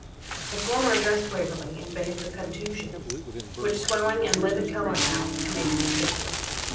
The former addressed Waverley, and bathed the contusions, which swelling and livid colour now made conspicuous.